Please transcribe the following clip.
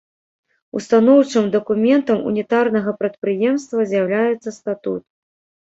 Устаноўчым дакументам ўнітарнага прадпрыемства з'яўляецца статут.